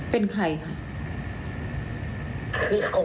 เป็นใครครับ